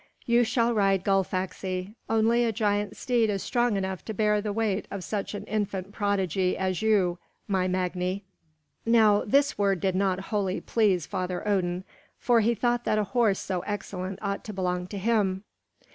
You shall ride Gullfaxi; only a giant steed is strong enough to bear the weight of such an infant prodigy as you, my Magni." Now this word did not wholly please Father Odin, for he thought that a horse so excellent ought to belong to him.